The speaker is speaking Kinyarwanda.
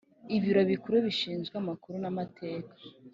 Ibiro Bikuru bishinzwe amakuru n amateka